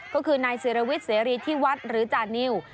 ก็คือนายศิรวิทย์เสรีที่วัดหรือจานิว